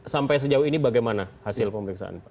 sampai sejauh ini bagaimana hasil pemeriksaan pak